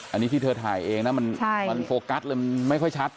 อันนี้ที่เธอถ่ายเองนะมันโฟกัสเลยมันไม่ค่อยชัด